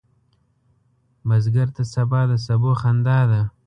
بزګر ته سبا د سبو خندا ده